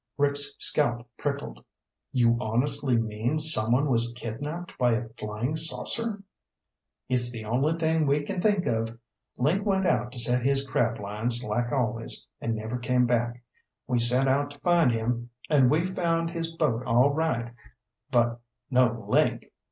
Rick's scalp prickled. "You honestly mean someone was kidnaped by a flying saucer?" "It's the only thing we can think of. Link went out to set his crab lines, like always, and never came home. We set out to find him, and we found his boat all right, but no Link.